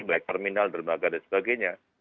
baik terminal dermaga dan sebagainya